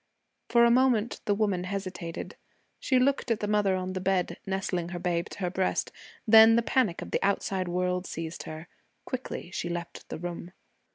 For a moment the woman hesitated. She looked at the mother on the bed, nestling her babe to her breast; then the panic of the outside world seized her. Quickly she left the room.